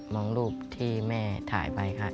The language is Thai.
รูปที่แม่ถ่ายไปค่ะ